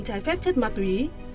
trái phép chất ma túy